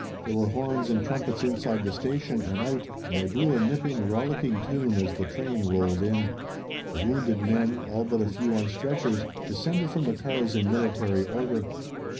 There were horns and trumpets inside the station and out and they blew a nipping, rollicking tune as the train rolled in. The wounded men, all but a few on stretchers, descended from the cars in military order.